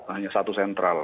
itu kuat hanya satu sentral